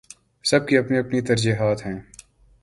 سب کی اپنی اپنی ترجیحات ہیں۔